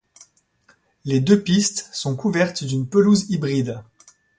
Les deux pistes sont couvertes d'une pelouse hybride.